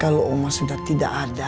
kalau menunggu hep shallot bugle can ngira